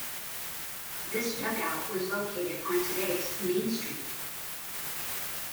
This dugout was located on today's Main Street.